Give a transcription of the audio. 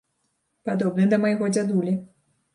Падобны да майго дзядулі.